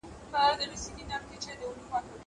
ما خپل بکس په ډېرې بېړې سره راواخیست.